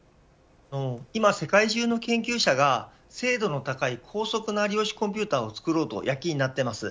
今、世界中の研究者が精度の高い高速な量子コンピューターを作ろうと躍起になっています。